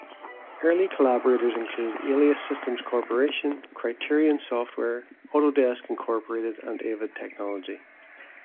Early collaborators included Alias Systems Corporation, Criterion Software, Autodesk, Incorporated and Avid Technology.